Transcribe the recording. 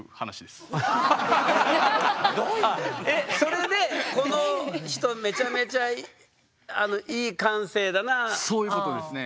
それでこの人めちゃめちゃそういうことですね。